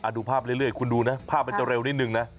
ดูภาพเรื่อยคุณดูนะภาพมันจะเร็วนิดนึงนะ